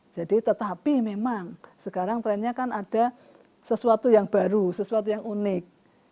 jadi tetapi memang sekarang trennya kan ada sesuatu yang baru sesuatu yang unik